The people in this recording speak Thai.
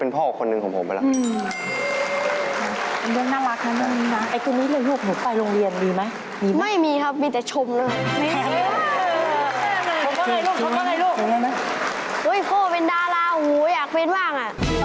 โอ๊ยโคลดเป็นดาราอยากเฟ้นหวั่ง